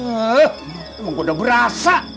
emang gue udah berasa